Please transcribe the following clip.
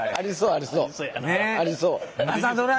ありそう。